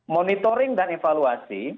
monitoring dan evaluasi